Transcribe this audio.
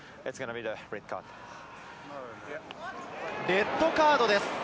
レッドカードです。